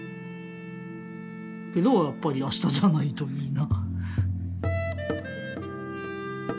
けどやっぱり明日じゃないといいな。